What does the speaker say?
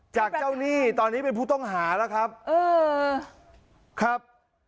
จากเจ้าหนี้ตอนนี้เป็นผู้ต้องหาแล้วครับเออครับ